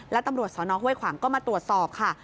และตำรวจสนห้วยขวางก็มาตรวจสอบค่ะ